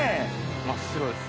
真っ白です。